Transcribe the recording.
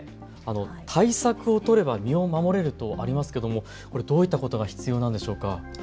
対策を取れば身を守れるとありますけれどもどういったことが必要なんでしょうか。